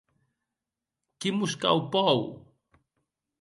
Qui mos cau pòur?